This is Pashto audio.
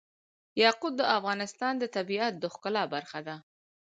یاقوت د افغانستان د طبیعت د ښکلا برخه ده.